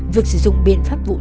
việc sử dụng biện pháp vụ trị